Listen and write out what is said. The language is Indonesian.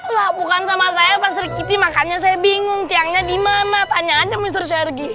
lah bukan sama saya pak serikiti makanya saya bingung tiangnya dimana tanya aja mister sergi